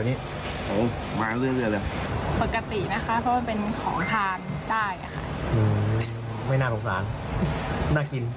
อืมไม่น่าสงสารน่ากิน